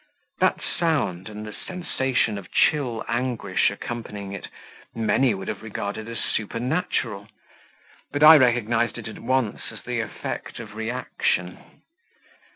That sound, and the sensation of chill anguish accompanying it, many would have regarded as supernatural; but I recognized it at once as the effect of reaction.